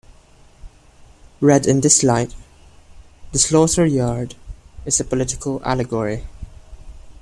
Read in this light, "The Slaughter Yard" is a political allegory.